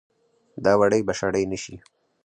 دا وړۍ به شړۍ نه شي